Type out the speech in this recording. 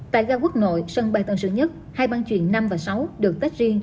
tại ga quốc nội sân bay tân sơn nhất hai băng chuyển năm và sáu được tách riêng